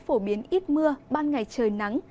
phổ biến ít mưa ban ngày trời nắng